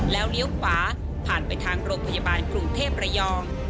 แล้วเลี้ยวขวาผ่านไปทางโรงพยาบาลกรุงเทพระยอง